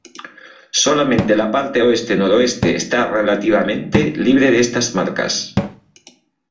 Solamente la parte oeste-noroeste está relativamente libre de estas marcas.